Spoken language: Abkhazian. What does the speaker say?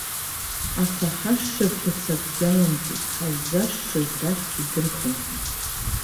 Аха ҳашшыбӷьыц акгьы алымҵит, ҳаззашшыз рахь идырхынҳәит.